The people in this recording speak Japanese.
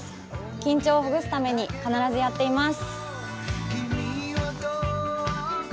緊張をほぐすために必ずやっています。